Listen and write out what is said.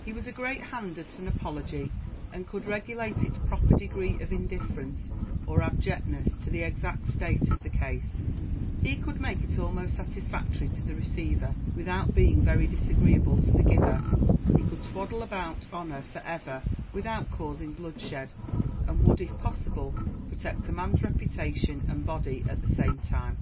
He was a great hand at an apology, and could regulate its proper degree of indifference or abjectness to the exact state of the case; he could make it almost satisfactory to the receiver, without being very disagreeable to the giver; he could twaddle about honour for ever without causing bloodshed; and would, if possible, protect a man's reputation and body at the same time.